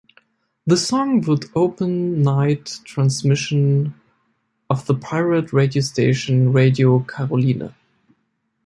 The song would open night transmission of the pirate radio station Radio Caroline.